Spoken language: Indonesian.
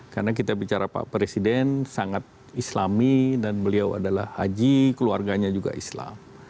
karena kita bicara pak presiden sangat islami dan beliau adalah haji keluarganya juga islam